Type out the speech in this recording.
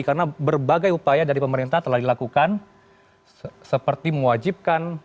karena berbagai upaya dari pemerintah telah dilakukan seperti mewajibkan